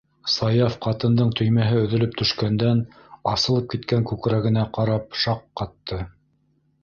- Саяф ҡатындың төймәһе өҙөлөп төшкәндән асылып киткән күкрәгенә ҡарап шаҡ ҡатты: